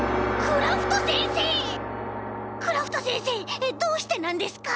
クラフトせんせいどうしてなんですか？